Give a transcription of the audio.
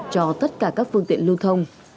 cho tất cả các phương tiện lưu thông